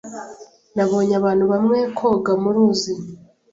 Nabonye abantu bamwe koga muruzi.